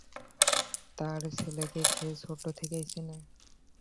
তার ছেলেকে সে ছোট থেকেই চিনে।